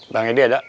bang edi ada